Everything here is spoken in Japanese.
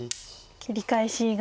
切り返しが。